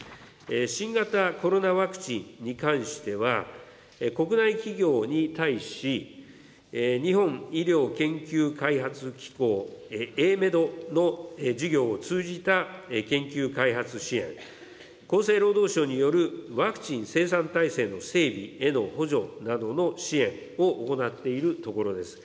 新型コロナワクチンに関しては、国内企業に対し、日本医療研究開発機構・エーメドの事業を通じた研究開発支援、厚生労働省によるワクチン生産体制の整備への補助などの支援を行っているところです。